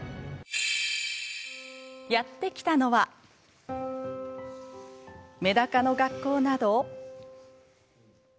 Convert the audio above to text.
やって来たのはめだかの学校など。